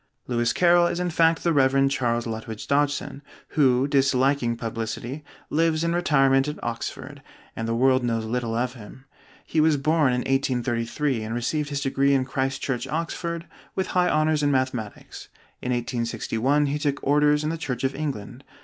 Lewis Carroll is in fact the Rev. Charles Lutwidge Dodgson, who (disliking publicity) lives in retirement at Oxford, and the world knows little of him. He was born in 1833 and received his degree in Christ Church, Oxford, with high honors in mathematics. In 1861 he took orders in the Church of England.